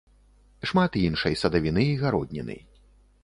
Шмат іншай садавіны і гародніны.